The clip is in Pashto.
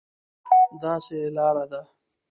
داسې لار ده،